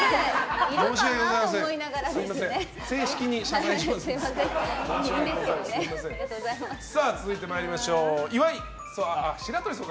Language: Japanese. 申し訳ございません。